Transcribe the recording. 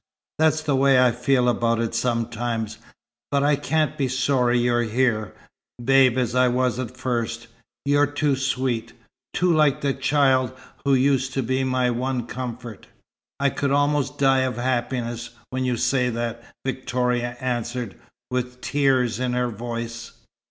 That's the way I feel about it sometimes. But I can't be sorry you're here, Babe, as I was at first. You're too sweet too like the child who used to be my one comfort." "I could almost die of happiness, when you say that!" Victoria answered, with tears in her voice.